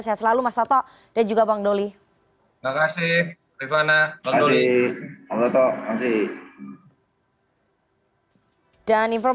sehat selalu mas toto dan juga bang doli